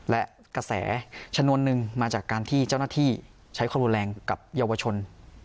และกระแสชนวนนึงมาจากการที่เจ้าหน้าที่ใช้ความรุนแรงกับเยาวชน